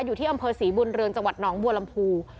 อยู่ที่อำเภอศรีบุญเรืองจังหวัดหนองบัวลำพู